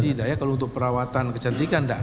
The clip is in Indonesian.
tidak ya kalau untuk perawatan kecantikan tidak